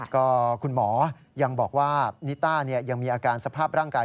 ก็คุณหมอยังบอกว่านิต้ายังมีอาการสภาพร่างกาย